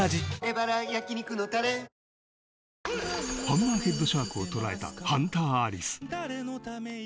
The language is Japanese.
ハンマーヘッドシャークを捉えたハンターアリス。